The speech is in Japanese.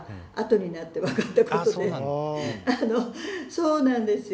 そうなんですよ。